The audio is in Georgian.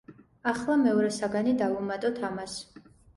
ახლა მეორე საგანი დავუმატოთ ამას.